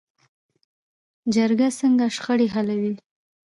جرګه څنګه شخړې حلوي؟